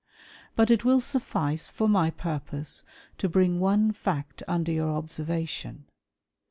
But it will sufiice for my purpose to bring one fact under your observation.